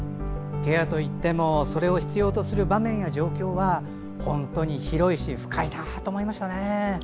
ケアといってもそれを必要とする場面や状況は本当に広いし深いなと思いました。